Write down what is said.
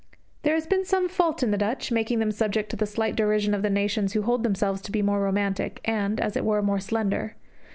There has been some fault in the Dutch, making them subject to the slight derision of the nations who hold themselves to be more romantic, and, as it were, more slender.